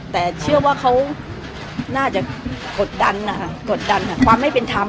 แต่เขาน่าจะเกิดกดดันกับความไม่เป็นธรรม